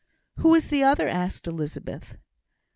"Who is the other?" asked Elizabeth.